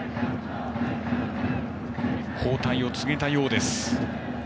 交代を告げたようです。